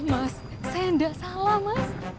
mas saya nggak salah mas